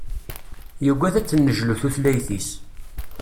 Yuggad ad tennejlu tutlayt-is.